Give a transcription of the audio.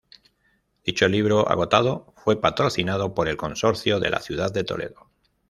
Dicho libro, agotado, fue patrocinado por el Consorcio de la Ciudad de Toledo.